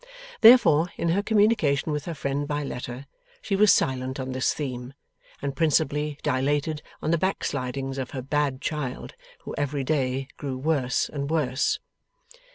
Therefore, in her communication with her friend by letter, she was silent on this theme, and principally dilated on the backslidings of her bad child, who every day grew worse and worse.